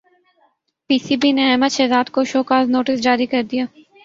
پی C B نے احمد شہزاد کو show cause notice جاری کردیا